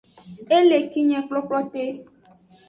E le kinyi kplokplote.